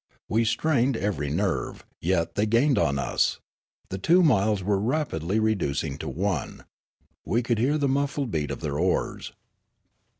We strained every nerve. Yet they gained on us. The two miles were rapidly reducing to one. We could hear the muffled beat of their oars.